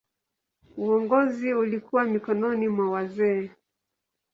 Uongozi ulikuwa mikononi mwa wazee.